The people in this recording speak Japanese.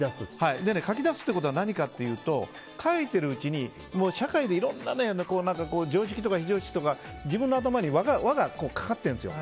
書き出すということは何かというと書いているうちに社会でいろんな常識とか非常識とか自分の頭に輪がかかってるんですよ。